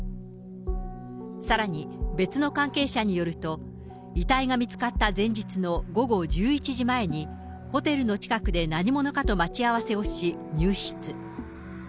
さらに別の関係者によると、遺体が見つかった前日の午後１１時前に、ホテルの近くで何者かと待ち合わせをし入室。